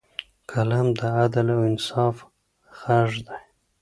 قلم د عدل او انصاف غږ دی